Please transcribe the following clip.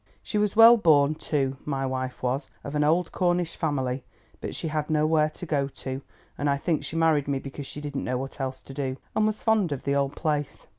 She was well born, too, my wife was, of an old Cornish family, but she had nowhere to go to, and I think she married me because she didn't know what else to do, and was fond of the old place.